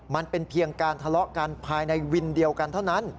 มันเป็นเพียงการทะเลาะกันภายในวินเดียวกันเท่านั้น